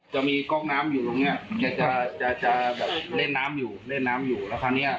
จะมีกล้องน้ำอยู่ตรงเนี่ยจะเล่นน้ำอยู่แล้วคราวนี้